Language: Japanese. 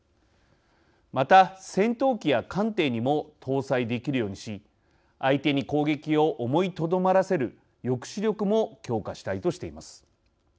また、戦闘機や艦艇にも搭載できるようにし相手に攻撃を思いとどまらせる抑止力も強化したいとしています。